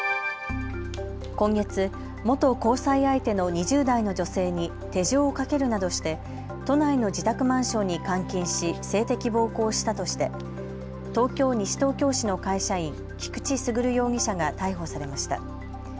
今月、元交際相手の２０代の女性に手錠をかけるなどして都内の自宅マンションに監禁し性的暴行をしたとして東京西東京市の会社員菊地優容疑者が逮捕されました。